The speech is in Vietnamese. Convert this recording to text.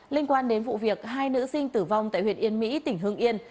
liên quan đến vụ việc hai nữ sinh tử vong tại huyện yên mỹ tỉnh hương yên